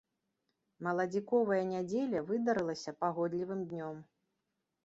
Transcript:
Маладзіковая нядзеля выдарылася пагодлівым днём.